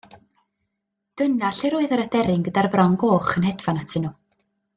Dyna lle roedd yr aderyn gyda'r fron goch yn hedfan atyn nhw